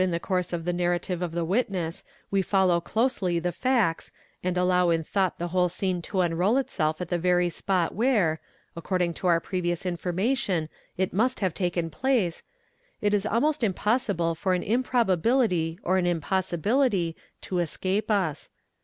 the course of the narrative of the witness we follow closely the facts and allow in thought the whole scene to unroll itself at the very spot where, according to our previous information, it must have taken place, it is almost impossible for an improbability or an impossibility to escape us.